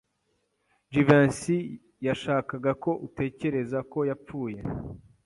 Jivency yashakaga ko utekereza ko yapfuye.